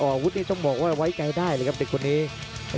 อาวุธนี่ต้องบอกว่าไว้ใจได้เลยครับเด็กคนนี้